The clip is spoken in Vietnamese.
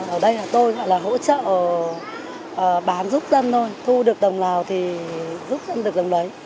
ở đây tôi hỗ trợ bán giúp dân thôi thu được đồng nào thì giúp dân được đồng đấy